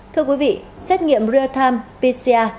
thưa quý vị xét nghiệm real time pcr